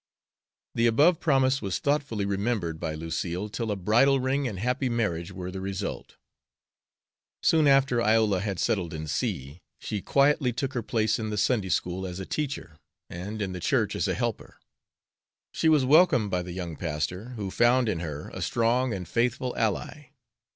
The above promise was thoughtfully remembered by Lucille till a bridal ring and happy marriage were the result. Soon after Iola had settled in C she quietly took her place in the Sunday school as a teacher, and in the church as a helper. She was welcomed by the young pastor, who found in her a strong and faithful ally.